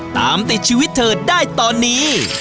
ตามติดชีวิตเธอได้ตอนนี้